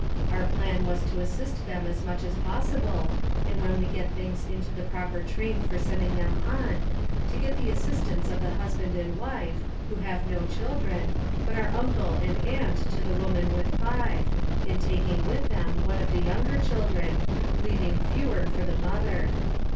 Our plan was to assist them as much as possible, and when we get things into the proper train for sending them on, to get the assistance of the husband and wife, who have no children, but are uncle and aunt to the woman with five, in taking with them one of the younger children, leaving fewer for the mother.